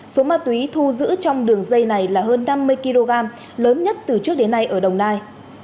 số ma túy thu giữ trong đường dây này là hơn năm mươi kg lớn nhất từ trước đến nay ở đồng nai